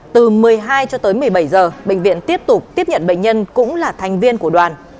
từ một mươi hai h cho tới một mươi bảy h bệnh viện tiếp nhận bệnh nhân cũng là thành viên của đoàn